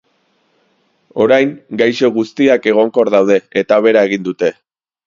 Orain, gaixo guztiak egonkor daude eta hobera egin dute.